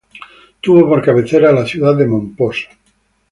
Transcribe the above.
Tuvo por cabecera a la ciudad de Mompós.